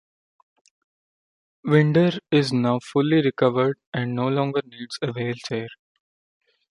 Winder is now fully recovered and no longer needs a wheelchair.